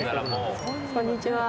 こんにちは。